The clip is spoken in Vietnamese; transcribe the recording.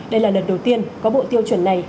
đây là lần đầu tiên có bộ tiêu chuẩn này